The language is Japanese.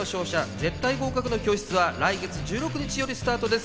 絶対合格の教室ー』は来月１６日よりスタートです。